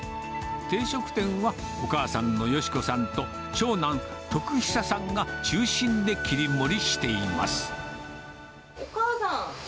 定食店はお母さんのよしこさんと長男、徳久さんが中心で切り盛りお母さん。